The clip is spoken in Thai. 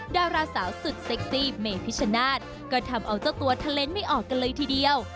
ดาราสาวสุดเซ็กซี่เมพิชชนาธิ์ก็ทำเอาเจ้าตัวเทลนด์ไม่ออกกันเลยทีเดียว